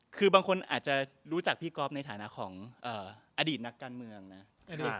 คือบางคนอาจจะรู้จักพี่ก๊อฟในฐานะของอดีตนักการเมืองนะ